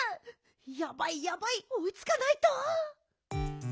やばいやばいおいつかないと！